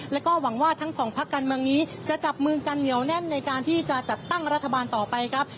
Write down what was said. แล้วก็หวังว่าทั้งสองพักการเมืองนี้จะจับมือกันเหนียวแน่นในการที่จะจัดตั้งรัฐบาลต่อไปครับ